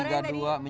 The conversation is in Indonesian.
lengkap di sini